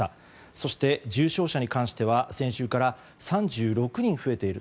そして、重症者に関しては先週から３６人増えている。